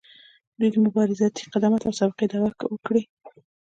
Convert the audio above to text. دوی د مبارزاتي قدامت او سابقې دعوه وکړي.